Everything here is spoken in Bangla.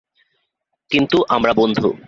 কিন্তু আমরা বন্ধু।